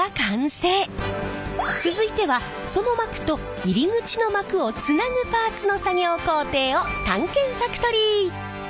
続いてはその膜と入り口の膜をつなぐパーツの作業工程を探検ファクトリー！